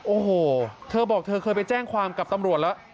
โอ้โหเธอบอกเธอเคยไปแจ้งความกับตำรวจแล้ว